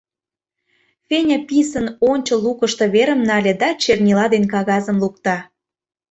— Феня писын ончыл лукышто верым нале да чернила ден кагазым лукто.